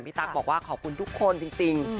ตั๊กบอกว่าขอบคุณทุกคนจริง